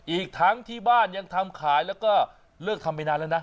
อีกทั้งที่บ้านยังทำขายแล้วก็เลิกทำไปนานแล้วนะ